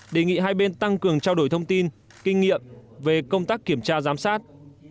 đề nghị hai bên tăng cường trao đổi thông tin kinh nghiệm về công tác kiểm tra giám sát